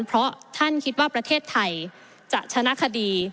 เพราะท่านคิดว่าประเทศไทยจะชนะคดี